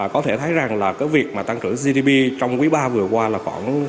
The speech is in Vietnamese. có thể thấy rằng là cái việc mà tăng trưởng gdp trong quý ba vừa qua là khoảng